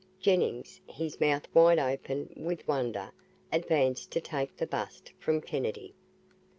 Jennings, his mouth wide open with wonder, advanced to take the bust from Kennedy.